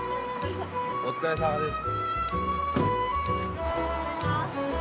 お疲れさまです。